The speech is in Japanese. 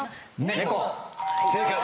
『猫』正解。